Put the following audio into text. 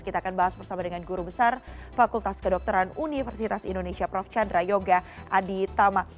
kita akan bahas bersama dengan guru besar fakultas kedokteran universitas indonesia prof chandra yoga aditama